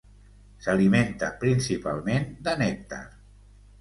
S'alimenta principalment de nèctar.